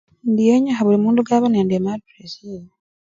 Indi yenyikhana bulimundu kaba nende matressi yewe.